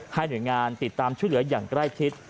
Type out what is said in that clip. หน่วยงานติดตามช่วยเหลืออย่างใกล้ชิด